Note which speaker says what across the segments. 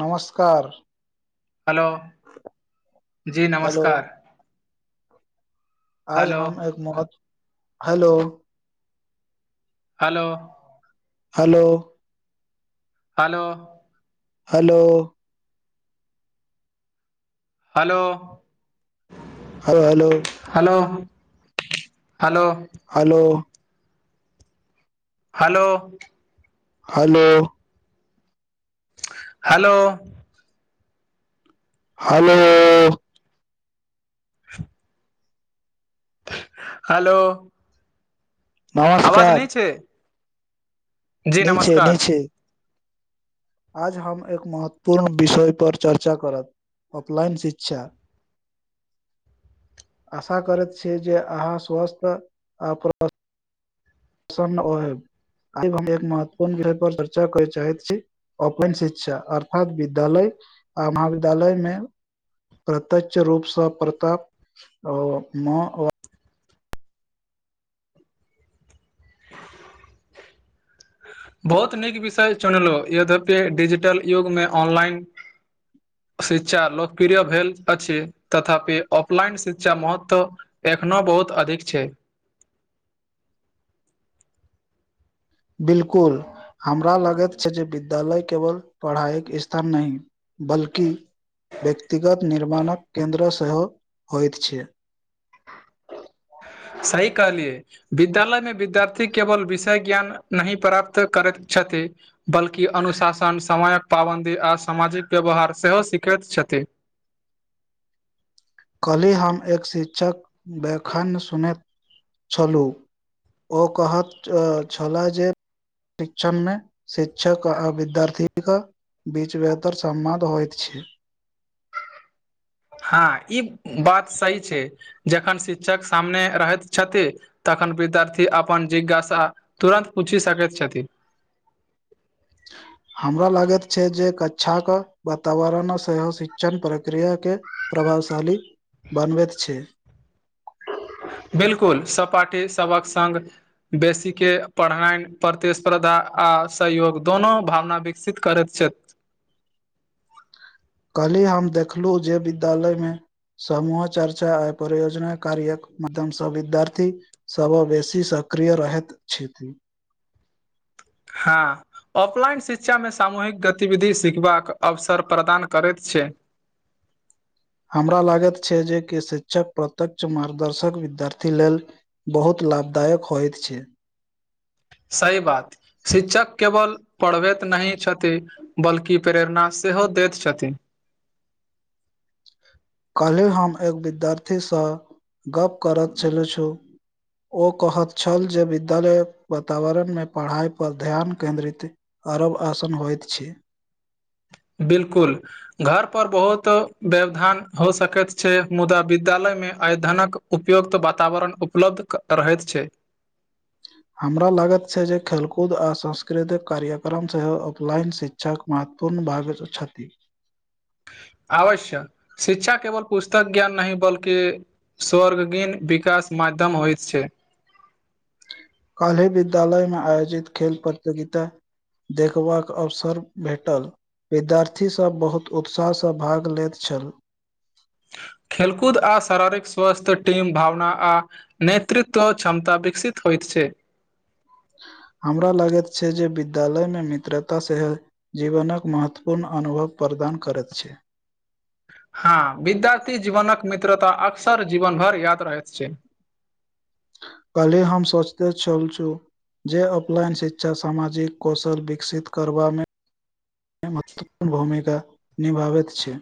Speaker 1: नमस्कार
Speaker 2: हेलो जी
Speaker 1: हेलो
Speaker 2: नमस्कार
Speaker 1: आज
Speaker 2: हेलो
Speaker 1: हम एक मौत hello
Speaker 2: hello
Speaker 1: hello
Speaker 2: hello
Speaker 1: hello
Speaker 2: hello
Speaker 1: hello hello
Speaker 2: hello hello
Speaker 1: hello
Speaker 2: hello
Speaker 1: hello
Speaker 2: hello
Speaker 1: हलो
Speaker 2: [inaudible] हलो आवाज
Speaker 1: नमस्कार
Speaker 2: नहि छै जी
Speaker 1: नहि छै
Speaker 2: नमस्कार
Speaker 1: नहि छै आज हम एक महत्वपूर्ण विषय पर चर्चा करब ऑफलाइन शिक्षा
Speaker 2: [inaudible]
Speaker 1: आशा करैत छीियै जे अहाँ स्वस्थ आ प्रसन्न आ हम एक महत्वपूर्ण विषय पर चर्चा करय चाहैत छी ओपन शिक्षा अर्थात विद्यालय आ महाविद्यालयमे प्रत्यक्ष रूपसँ प्रताप ओ मऽ
Speaker 2: बहुत नीक विषय चुनलहु यद्यपि डिजिटल युग मे ऑनलाइन शिक्षा लोकप्रिय भेल अछि तथापि ऑफलाइन शिक्षा महत्व एखनो बहुत अधिक छै
Speaker 1: बिलकुल हमरा लगैत छै जे विद्यालय केवल पढ़ाईक स्थान नही बल्कि व्यक्तिगत निर्माणक केन्द्र सेहो होइत छै
Speaker 2: सही कहलिए विद्यालय मे विद्यार्थी केवल विषय ज्ञान नही प्राप्त करैत छथी बल्कि अनुशासन, समयक पाबन्दी आ सामाजिक व्यवहार सेहो सिखैत छथी
Speaker 1: काल्हि हम एक शिक्षक व्याख्यन सुनैत छलहूं ओ कहत छलाए जे शिक्षण मे शिक्षक आ विद्यार्थी कऽ बीच बेहतर समबध होइत छै
Speaker 2: हँ ई बात सही छै जखन शिक्षक सामने रहैत छथि तखन विद्यार्थी अपन जिज्ञासा तुरन्त पूछि सकैत छथिन [inaudible]
Speaker 1: हमरा लागत छै जे कक्षा के वातावरण सेहो शिक्षण प्रक्रिया के प्रभावशाली बनबैत छै
Speaker 2: बिल्कुल सहपाठी सबहक संग बेसीके पढ़ाइन प्रति स्पर्द्धा आ सहयोग दोनो भावना विकसित करैत छथि
Speaker 1: काल्हि हम देखलहु जे विद्यालय मे समूह चर्चा आ परियोजना कार्यक माध्यमसं विद्यार्थी सभ बेसी सक्रिय रहैत छथी
Speaker 2: हँ ऑफलाइन शिक्षामे सामूहिक गतिविधि सिखबाक अवसर प्रदान करैत छै
Speaker 1: हमरा लागत छै जे कि शिक्षक प्रत्यक्ष मार्गदर्शक विद्यार्थी लेल बहुत लाभदायक होइत छै
Speaker 2: सही बात शिक्षक केवल पड़बैत नही छथी बल्कि प्रेरणा सेहो दैत छथी
Speaker 1: काल्ही हम एक विद्यार्थी स गप करैत छले छु ओ कहैत छल जे विद्यालय वातावरण में पढ़ाइ पर ध्यान केन्द्रित अरब आसन होइत छै
Speaker 2: बिल्कुल घर पर बहुत व्यवधान हो सकैत छै मुदा विद्यालय में अय्यधनक उपयुक्त वातावरण उपलब्ध कऽ रहैत छै
Speaker 1: हमरा लागत छै जे खेलकूद आ सांस्कृतिक कार्यक्रम सेहो ऑफलाइन शि क्षा महत्वपूर्ण भाग छती
Speaker 2: आवश्य शिक्षा केवल पुस्तक ज्ञान नहीं बल्कि स्वर्गगेन विकास माध्यम होइ छै
Speaker 1: कल ही विद्यालय में आयोजित खेल प्रतियोगिता देखबाक अवसर भेटल विद्यार्थी सब बहुत उत्साह स भाग लेैत छल
Speaker 2: खेलकूद आ शारारिक स्वस्थ्य टीम भावना आ नेतृत्व क्षमता विकसित होइत छै
Speaker 1: हमरा लागैत छै जे विद्यालय में मित्रता से जीवनक महत्वपूर्ण अनुभव प्रदान करैत छै
Speaker 2: हँ विद्यार्थी जीवनक मित्रता अक्सर जीवन भर याद रहैत छै
Speaker 1: कले हम सोचते छल छु जे ऑफलाइन शिक्षा सामाजिक कौशल विकसित करबा में में महत्वपूर्ण भूमिका निभाबैत छै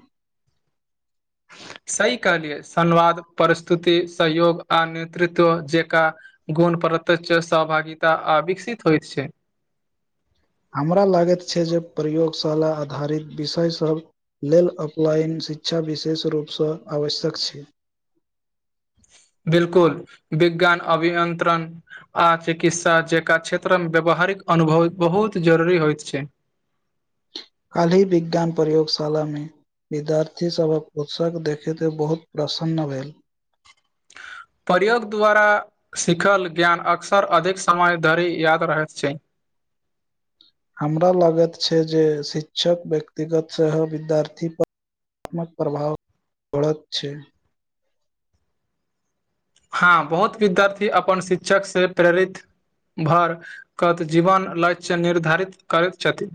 Speaker 2: सही कहलियै सन्वाद परस्तुति सहयोग आ नेतृत्व जेका गुण प्रत्यच सहभागिता आ विकसित होइत छै
Speaker 1: हमरा लागैत छै जे प्रयोगशाला आधारित विषय सब लेल ऑपलाइन शिक्षा विशेष रूप स आवश्यक छै
Speaker 2: बिल्कुल विज्ञान अभियंत्रण आ चिकित्सा जेका क्षेत्रम व्यावहारिक अनुभव बहुत जरूरी होइत छै
Speaker 1: कलही विज्ञान प्रयोगशाला में विद्यार्थी सब हक उत्सक देखेते बहुत प्रसन्न भेल
Speaker 2: प्रयोग द्वारा सिखल ज्ञान अक्सर अधिक समय धरि याद रहैत छै
Speaker 1: हमरा लागत छै जे शिक्षक व्यक्तिगत सेहो विद्यार्थी पर अमूल प्रभाव [inaudible] परत छै
Speaker 2: हँ बहुत विद्यार्थी अपन शिक्षक से प्रेरित भर कत जीवन लक्ष्य निर्धारित करैत छति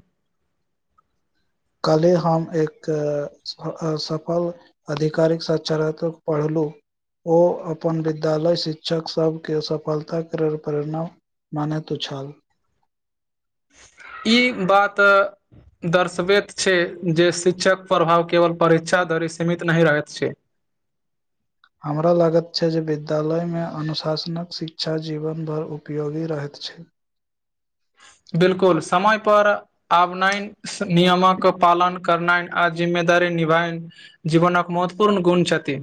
Speaker 1: कलही हम एक अ सफल अधिकारिक सच्चरतक पढ़लू ओ अपन विद्यालय शिक्षक सभ केँ सफलता कर प्रेरणा मनेतो छल
Speaker 2: ई बात दर्शबैत छै जे शिक्षक प्रभाव केवल परीक्षा धरि सीमित नही रहैत छै
Speaker 1: हमरा लागत छै जे विद्यालय में अनुशासनक शिक्षा जीवन भर उपयोगी रहैत छै
Speaker 2: बिलकुल समय पर आबनाइ नियमक पालन करनानि आ जिम्मेदारी निभायनि जीवन एक महत्वपूर्ण गुण छथी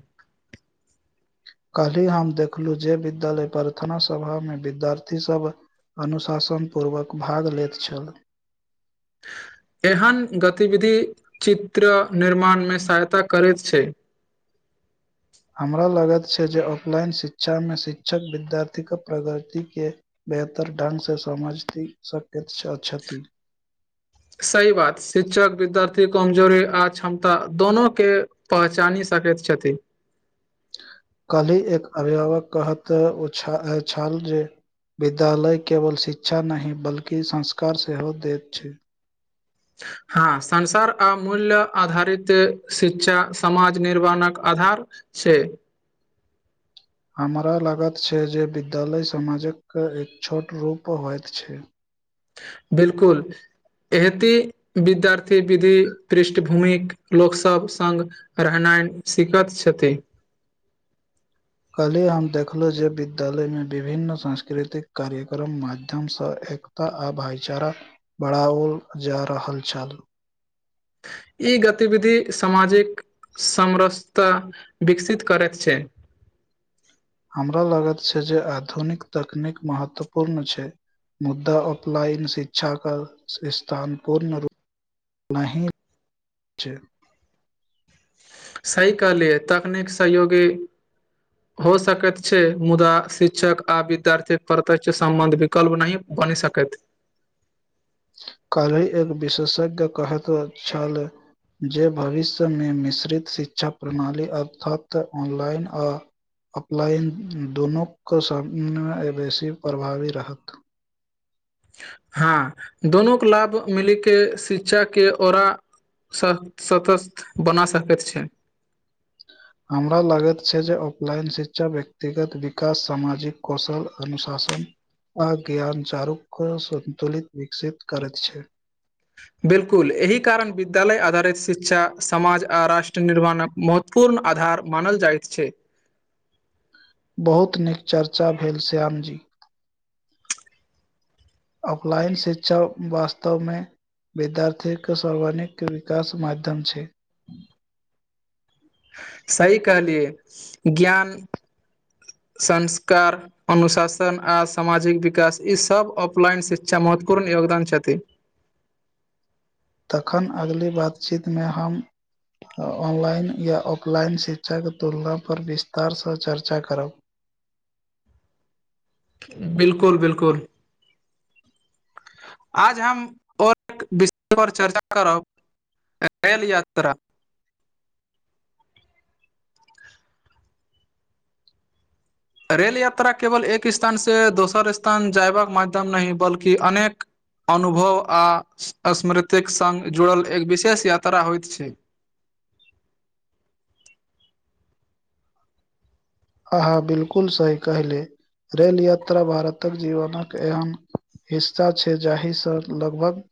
Speaker 1: कल्हि हम देखलहु जे विद्यालय प्रार्थना सभा मे विद्यार्थी सभ अनुशासन पूर्वक भाग लैत छल
Speaker 2: एहन गतिविधि चित्र निर्माणमे सहायता करैत छै
Speaker 1: हमरा लागत छै जे ऑफलाइन शिक्षा मे शिक्षक विद्यार्थी के प्रगति के बेहतर ढङ्ंग से समझती शक्य क्षति
Speaker 2: सही बात शिक्षक विद्यार्थी कमजोरी आ क्षमता दोनो के पहचानि सकैत छथि
Speaker 1: कल्हि एक अभिभावक कहत ओ छलाल जे विद्यालय केवल शिक्षा नहि बल्कि संस्कार सेहो दैत छै
Speaker 2: हँ संसार आ मूल्य आधारित शिक्षा समाज निर्वणक आधार छै
Speaker 1: हमरा लागत छै जे विद्यालय समाजके एक छोट रूप होइत छै
Speaker 2: बिलकुल एहती विद्यार्थी विधि पृष्ठभूमिक लोक सब सांग रहनाइ सिखैत छथिन
Speaker 1: कल्हि हम देखलहुँ जे विद्यालयमे विभिन्न सांस्कृतिक कार्यक्रम माध्यमसँ एक एकता आ भाईचारा बढ़ाओल जा रहल छल
Speaker 2: ई गतिविधि सामाजिक समरसता विकसित करैत छै
Speaker 1: हमरा लागत छै जे आधुनिक तकनीक महत्वपूर्ण छै मुद्दा ऑफलाइन शिक्षा क स्थान पूर्ण रूप नहि छै
Speaker 2: सही कलिय तकनीक सहयोगी हो सकैत छै मुदा शिक्षक आ विद्यार्थी प्रत्ष सम्बंध विकल्प नहि बनी सकत
Speaker 1: काल्हि एक विशेषज्ञ कहत छल जे भविष्यमे मिश्रित शिक्षा प्रणाली अर्थात ऑनलाइन आ अपलाइन दुनूके सममे बेसी प्रभावी रहत
Speaker 2: हँ दोननो को लाभ मिली के शिक्षा के औरा स सतसथ बना सकैत छै
Speaker 1: हमरा लागैत छै जे ऑफलाइन शिक्षा व्यक्तिगत विकास सामाजिक कौशल अनुशासन आ ज्ञान चारूख सतुलित विकसित करैत छै
Speaker 2: बिलकुल एहि कारण विद्यालय आधारित शिक्षा समाज आ राष्ट्र निर्माणक महत्व पूर्ण आधार मानल जाइत छै
Speaker 1: बहुत नीक चर्चा भेल श्यामजी ऑफलाइन शिक्षा वास्तव मे विद्यार्थीके सारवाणिक विकास माध्यम छै
Speaker 2: सही कहलियै ज्ञान संस्कार अनुशासन आ सामाजिक विकास ई सब ऑफलाइन शिक्षा महत्वपूर्ण योगदान छथि
Speaker 1: तखन अगली बातचीतमे हम ऑनलाइन या ऑफलाइन शिक्षा के तुलनापर विस्तार सँ चर्चा करब
Speaker 2: बिल्कुल बिल्कुल आज हम आर एक विषय पर चर्चा करब रेल यात्रा रेल यात्रा केवल एक स्थान सऽ दोसर स्थान जयबाक माध्यम नहि बल्कि अनेक अनुभव आ स्मृतिक सङ्ग जुड़ल एक विशेष यात्रा होइत छै
Speaker 1: आहाँ बिल्कुल सही कहले रेल यात्रा भारतक जीवनक एहन हिस्सा छै जाहिसँ लगभग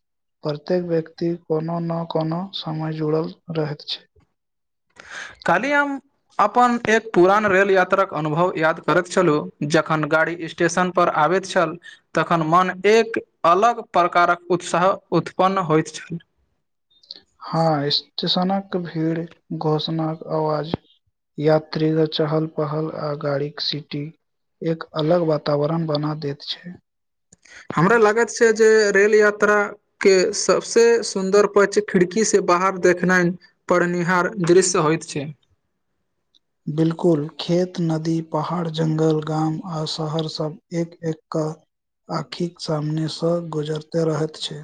Speaker 1: प्रत्येक व्यक्ति कोनो नऽ कोनो समय जुड़ल रहैत छै
Speaker 2: काल्हि हम अपन एक पुरान रेल यात्राक अनुभव याद करैत छलु जखन गाड़ी स् स्टेशन पर आबैत छल तखन मन एक अलग प्रकारक उत्साह उत्पन्न होइत छल
Speaker 1: हँ स्टेशनक भीड़ घोषणा कऽ आवाज यात्री के चहल पहल आ गाड़ी के सीटी एक अलग वातावरण बना देैत छै
Speaker 2: हमरा लागैत छै जे रेल यात्रा के सबसे सुन्दर पच खिड़की से बाहर देखनाइ परनिहार दृश्य होइत छै
Speaker 1: बिल्कुल खेत नदी पहाड़ जंगल गाम आ शहर सब एक एक कऽ आँखिक सामनेसँ गुजरते रहैत छै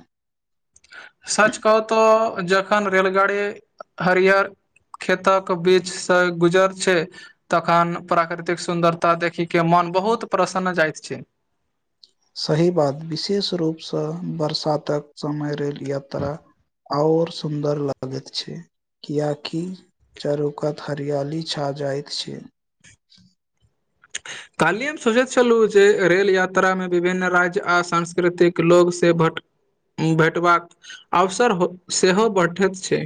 Speaker 2: सच कहू तऽ जखन रेलगाड़ी हरिियर खेतक बीचसँ गुजर छै तखन प्राकृतिक सुन्दरता देखी के मोन बहुत प्रसन्न जायइत छै
Speaker 1: सही बात विशेष रूपसँ बरसातक समय रेल यात्रा आओर सुन्दर लागैत छै कियकि चारुकत हरियाली छा जाइत छै
Speaker 2: [unintelligible] काल्हि हम सोचैत छलहुँ जे रेल यात्रामे विभिन्न राज्य आ सांस्कृतिक लोकसँ भट्ट भेटबाक अवसर सेहो भठैत छै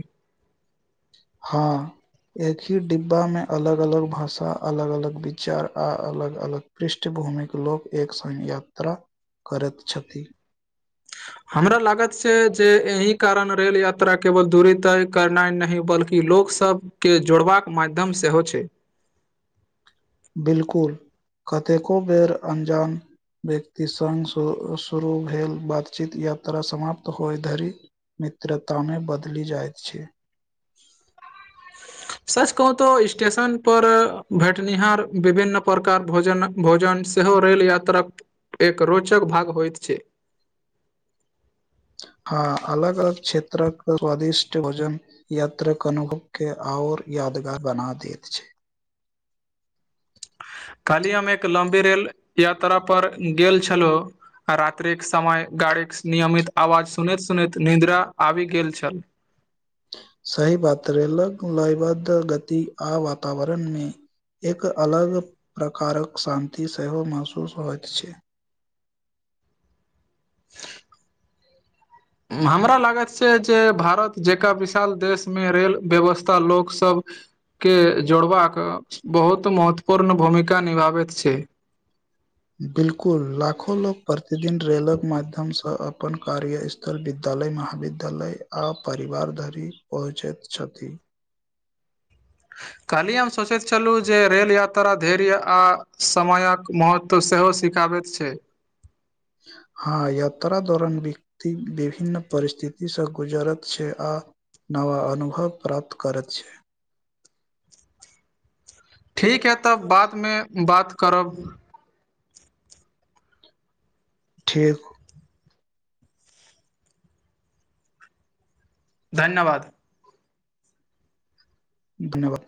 Speaker 1: हँ एकहि डिब्बा में अलग अलग भाषा अलग अलग विचार आ अलग अलग पृष्ठभूमिक कऽ लोकोग एक संग यात्रा करैत छथि
Speaker 2: हमरा लागत छै जे एहि कारण रेल यात्रा केवल दूरी ताय करनाइ नहि बल्कि ई लोक सबके जोड़बाक माध्यम सेहो छै
Speaker 1: बिल्कुल कतेको बेर अन्जान व्यक्ति सङ्ग श शुरू भेल बातचीत यात्रा समाप्त होइ धरि मित्रतामे बदलि जाइत छै
Speaker 2: सच कहु तो स्टेशन पर भेटनिहार विभिन्न प्रकार भोजन भोजन सेहो रेल यात्राक एक रोचक भाग होइत छै
Speaker 1: हँ अलग अलग क्षेत्रक स्वादिष्ट भोजन यात्रक अनुभव के आऔर यादगार बना देैत छै
Speaker 2: काल्हि हम एक लम्बी रेल यात्रा पर गेल छलहुँ आ रात्रिक समय गाड़ीक नियमित आवाज सुनैत सुनैत निद्रा आबि गेल छल।
Speaker 1: सही बात रेलक लयबद्ध गति आ वातावरण मे एक अलग प्रकारक शान्ति सेहो महसूस होईत छै।
Speaker 2: [unintelligible] हमरा लागैत छै जे भारत जकरा विशाल देशमे रेल व्यवस्था लोकसब के जोड़बाक बहुत महत्वपूर्ण भूमिका निभाबैत छै
Speaker 1: बिल्कुल लाखो लोक प्रतिदिन रेलक माध्यमसँ अपन कार्य स् उ्तर विद्यालय महाविद्यालय आ परिवार धरि पहुँचैत छथि
Speaker 2: काल्हि हम सोचैत छलु जे रेल यात्रा धर्य आ समयक महत्व तऽ सेहो सिखाबैत छै।
Speaker 1: हँ यात्रा दौरान व्यक्ति विभिन्न परिस्थितिसँ गुजारत। छै आ नवा अनुभव प्राप्त करत छै।
Speaker 2: ठीक हे तब बादमे बात करब।
Speaker 1: ठीक
Speaker 2: धन्यवाद
Speaker 1: धन्यवाद